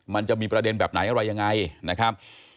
มันจะมีประเด็นแบบไหนอะไรยังไงนะครับ